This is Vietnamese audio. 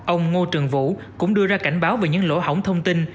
ông ngô trường vũ cũng đưa ra cảnh báo về những lỗ hỏng thông tin